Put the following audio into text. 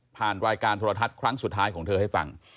รายการโทรทัศน์ครั้งสุดท้ายของเธอให้ฟัง